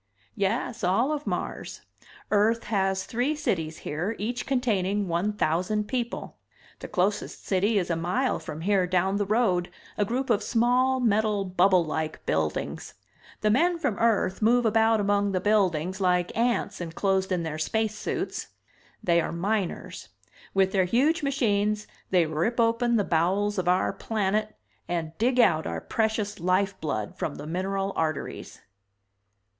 "Yes, all of Mars. Earth has three cities here, each containing one thousand people. The closest city is a mile from here, down the road, a group of small metal bubble like buildings. The men from Earth move about among the buildings like ants enclosed in their space suits. They are miners. With their huge machines they rip open the bowels of our planet and dig out our precious life blood from the mineral arteries."